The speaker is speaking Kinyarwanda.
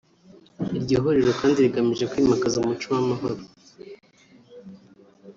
Iryo huriro kandi rigamije kwimakaza umuco w’amahoro